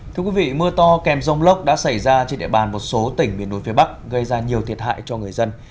thưa quý vị mưa to kèm rông lốc đã xảy ra trên địa bàn một số tỉnh miền núi phía bắc gây ra nhiều thiệt hại cho người dân